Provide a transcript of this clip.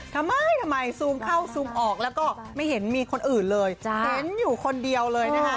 ทำไมทำไมซูมเข้าซูมออกแล้วก็ไม่เห็นมีคนอื่นเลยเห็นอยู่คนเดียวเลยนะคะ